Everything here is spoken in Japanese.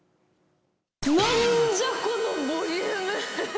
なんじゃ、このボリューム。